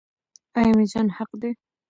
آیا میزان حق دی؟